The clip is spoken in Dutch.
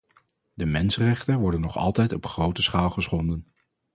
De mensenrechten worden nog altijd op grote schaal geschonden.